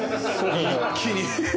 一気に。